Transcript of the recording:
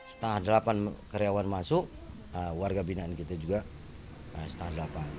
setengah delapan karyawan masuk warga binaan kita juga setengah delapan